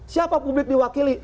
siapa publik diwakili